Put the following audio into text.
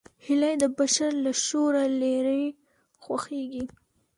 هیلۍ د بشر له شوره لیرې خوښېږي